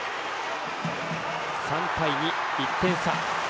３対２、１点差。